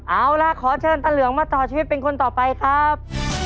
เอาล่ะขอเชิญตาเหลืองมาต่อชีวิตเป็นคนต่อไปครับ